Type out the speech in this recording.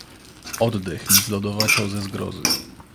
"Oddech mi zlodowaciał ze zgrozy."